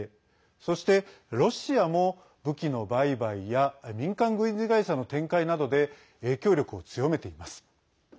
そして、ロシアも武器の売買や民間軍事会社の展開などで影響力を強めています。